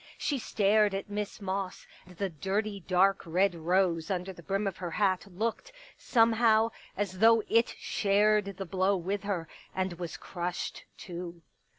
She stared at Miss Moss, and the dirty dark red rose under the brim of her hat looked, somehow, as though it shared the blow with her, and was crushed, too.